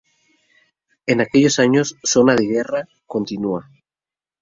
En aquellos años zona de guerra continua.